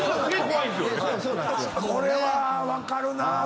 これは分かるな。